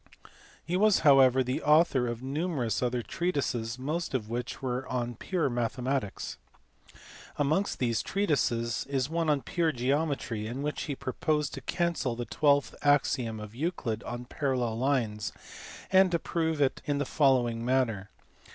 He was however the author of numerous other treatises, most of which were on pure mathematics. Amongst these treatises is one on pure geometry in which he proposed to cancel the twelfth axiom of Euclid on parallel lines and to prove it in the following manner.